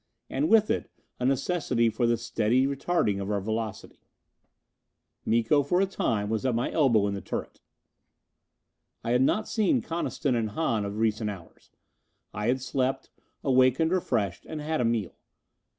And with it a necessity for the steady retarding of our velocity. Miko for a time was at my elbow in the turret. I had not seen Coniston and Hahn of recent hours. I had slept, awakened refreshed, and had a meal.